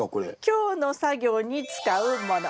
今日の作業に使うもの